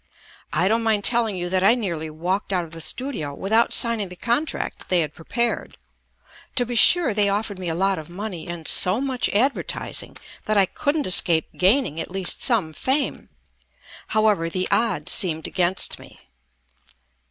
I don't mind telling you that I nearly walked out of the studio without signing the contract that they had prepared. To be sure, they offered me a lot of money and so much ad vertising that I couldn't escape gaining at least some fame. However, the odds seemed against me.